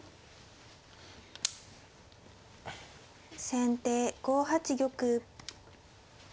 先手５八玉。